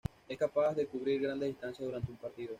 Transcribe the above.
Es capaz de cubrir grandes distancias durante un partido.